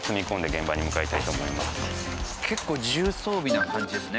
結構重装備な感じですね。